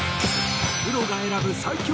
プロが選ぶ最強